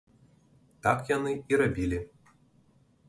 Так яны і рабілі.